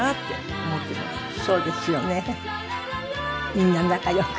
みんな仲良く。